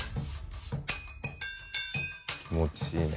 気持ちいいね。